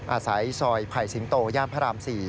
อาศัยซอยไผ่สิงโตย่านพระราม๔